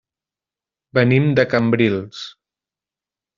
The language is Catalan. Venim de Cambrils.